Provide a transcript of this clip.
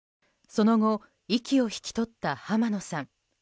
その後息を引き取った浜野さん。